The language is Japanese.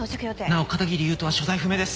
なお片桐優斗は所在不明です。